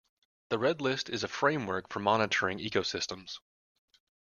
The Red List is a framework for monitoring ecosystems.